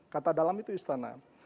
kata dalam itu istana